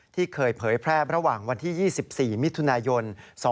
ที่เคยเผยแพร่ระหว่างวันที่๒๔มิถุนายน๒๕๖